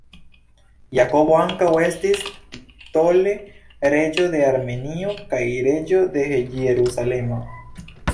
Jakobo ankaŭ estis titole reĝo de Armenio kaj reĝo de Jerusalemo.